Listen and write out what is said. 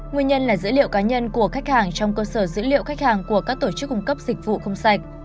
nguyên nhân là dữ liệu cá nhân của khách hàng trong cơ sở dữ liệu khách hàng của các tổ chức cung cấp dịch vụ không sạch